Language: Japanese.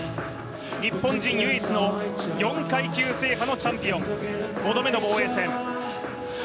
日本人唯一の４階級制覇のチャンピオン５度目の防衛戦。